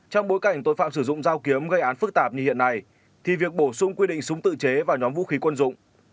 trong bối cảnh tội phạm sử dụng dao kiếm gây án phức tạp như hiện nay thì việc bổ sung quy định súng tự chế vào nhóm vũ khí quân dụng